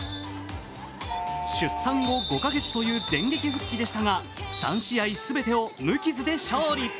出産後５か月という電撃復帰でしたが３試合全てを無傷で勝利。